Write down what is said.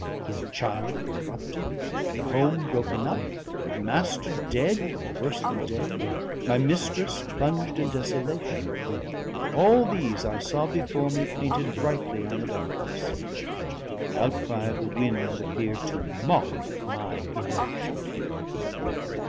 The child corrupted, the home broken up, my master dead, or worse than dead, my mistress plunged in desolation all these I saw before me painted brightly on the darkness; and the outcry of the wind appeared to mock at my inaction.